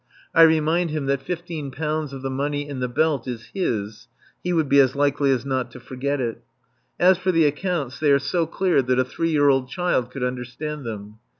I remind him that fifteen pounds of the money in the belt is his (he would be as likely as not to forget it). As for the accounts, they are so clear that a three year old child could understand them.